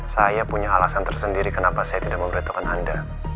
saya punya alasan tersendiri kenapa saya tidak memberitahukan anda